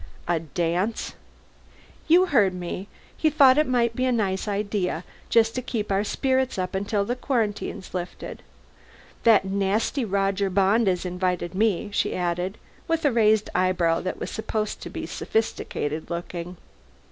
"A dance?" "You heard me. He thought it might be a nice idea just to keep our spirits up until the quarantine's lifted. That nasty Roger Bond has invited me," she added, with a raised eyebrow that was supposed to be sophisticated looking.